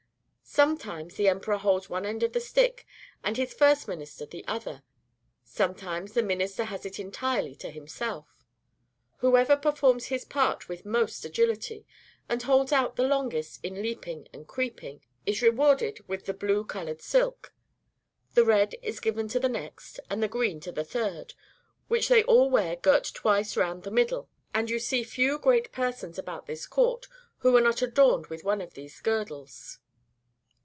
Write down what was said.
Sometimes the emperor holds one end of the stick, and his first minister the other; sometimes the minister has it entirely to himself. Whoever performs his part with most agility, and holds out the longest in leaping and creeping, is rewarded with the blue colored silk, the red is given to the next, and the green to the third, which they all wear girt twice round about the middle, and you see few great persons about this court who are not adorned with one of these girdles.